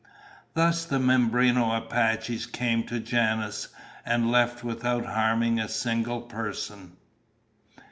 Thus the Mimbreno Apaches came to Janos and left without harming a single person.